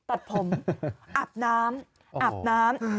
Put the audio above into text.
อาบน้ำ